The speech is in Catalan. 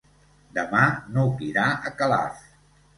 Demà n'Hug irà a Calaf.